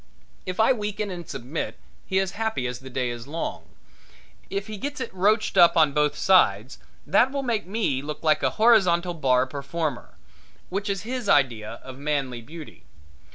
If I weaken and submit he is happy as the day is long. If he gets it roached up on both sides that will make me look like a horizontal bar performer, which is his idea of manly beauty.